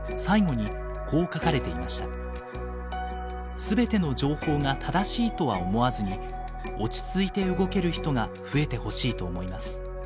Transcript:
「全ての情報が正しいとは思わずに落ち着いて動ける人が増えてほしいと思います。